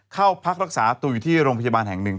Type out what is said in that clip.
เข้าพักรักษาตัวอยู่ที่โรงพยาบาลแห่งหนึ่ง